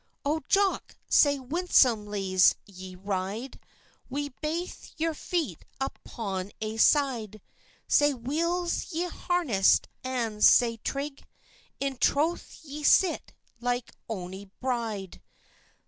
"O Jock, sae winsomely's ye ride, Wi baith your feet upo ae side! Sae weel's ye're harnessd, and sae trig! In troth ye sit like ony bride."